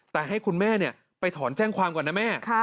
แต่ให้คุณแม่ไปถอนแจ้งความก่อนนะแม่